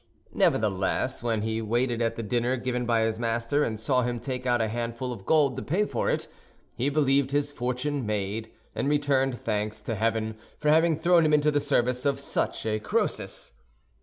Nevertheless, when he waited at the dinner given by his master, and saw him take out a handful of gold to pay for it, he believed his fortune made, and returned thanks to heaven for having thrown him into the service of such a Crœsus.